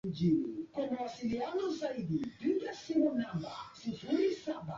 Kwamba utarudi sio dhahiri.